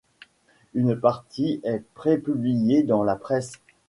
Une partie est pré-publiée dans la presse.